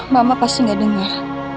mama pasti gak dengar